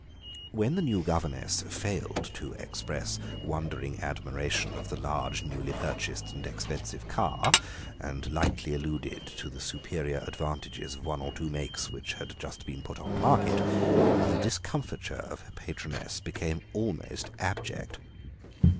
When the new governess failed to express wondering admiration of the large newly purchased and expensive car, and lightly alluded to the superior advantages of one or two makes which had just been put on the market, the discomfiture of her patroness became almost abject.